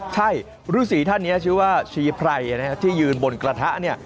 ใช่ฤษีท่านนี้ชื่อว่าชีไพรที่ยืนบนกระทะเนี่ย